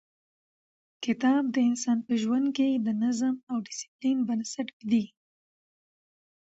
کتاب د انسان په ژوند کې د نظم او ډیسپلین بنسټ ږدي.